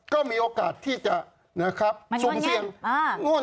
ก็มีโอกาสที่จะนะครับมายง่วงเง้น